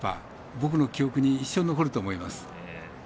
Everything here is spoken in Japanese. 僕の記憶に一生残ると思います。